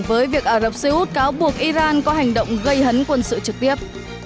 với việc ả rập xê út cáo buộc iran có hành động gây hấn quân sự trực tiếp